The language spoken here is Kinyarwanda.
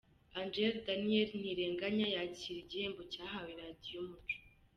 Ange Daniel Ntirenganya yakira igihembo cyahawe Radio Umucyo.